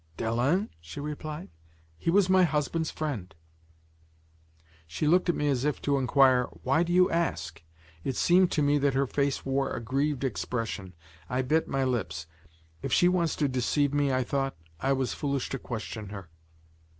"Dalens?" she replied. "He was my husband's friend." She looked at me as though to say: "Why do you ask?" It seemed to me that her face wore a grieved expression. I bit my lips. "If she wants to deceive me," I thought, "I was foolish to question her."